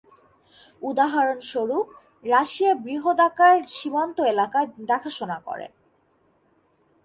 উদাহরণস্বরূপ, রাশিয়া বৃহদাকার সীমান্ত এলাকা দেখাশোনা করে।